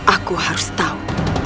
aku harus tahu